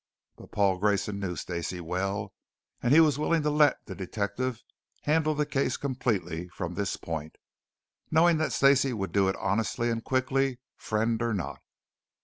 But Paul Grayson knew Stacey well and he was willing to let the detective handle the case completely from this point, knowing that Stacey would do it honestly and quickly, friend or not.